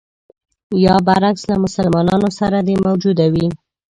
یا برعکس له مسلمانانو سره دې موجوده وي.